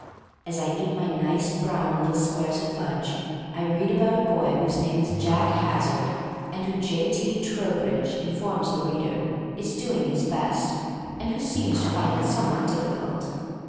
As I eat my nice brown little squares of fudge I read about a boy whose name is Jack Hazard and who, J. T. Trowbridge in forms the reader, is doing his best, and who seems to find it somewhat diffi cult.